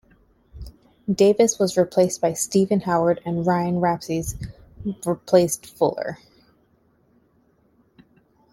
Davis was replaced by Stephen Howard and Ryan Rapsys replaced Fuller.